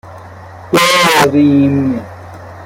داریم